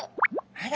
あら！